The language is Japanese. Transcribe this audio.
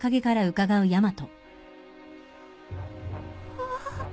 ああ